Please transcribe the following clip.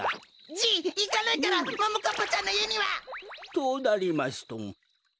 じいいかないからももかっぱちゃんのいえには！となりますと。